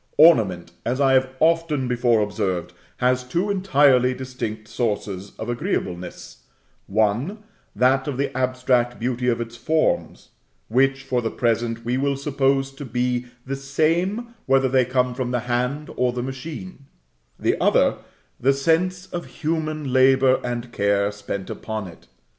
Ornament, as I have often before observed, has two entirely distinct sources of agreeableness: one, that of the abstract beauty of its forms, which, for the present, we will suppose to be the same whether they come from the hand or the machine; the other, the sense of human labor and care spent upon it.